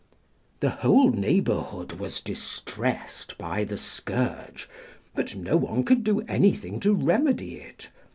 The whole neighbourhood was distressed by the scourge, but no one could do anything to remedy it.